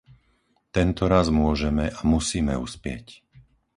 Tentoraz môžeme a musíme uspieť.